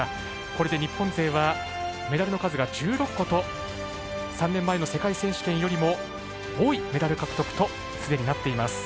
これで日本勢はメダルの数が１６個と３年前の世界選手権よりも多いメダル獲得と既になっています。